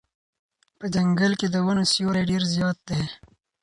په ځنګل کې د ونو سیوری ډېر زیات دی.